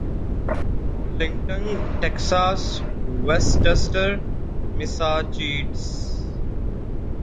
Arlington Texas ویسٹسٹر Massachusetts